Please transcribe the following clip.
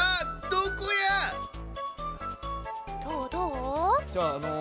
どう？